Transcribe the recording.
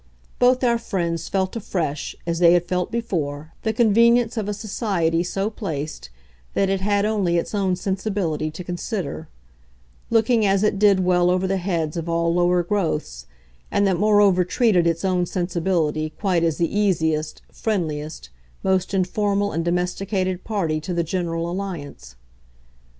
Both our friends felt afresh, as they had felt before, the convenience of a society so placed that it had only its own sensibility to consider looking as it did well over the heads of all lower growths; and that moreover treated its own sensibility quite as the easiest, friendliest, most informal and domesticated party to the general alliance.